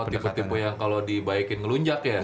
tipe tipe yang kalau dibaikin ngelunjak ya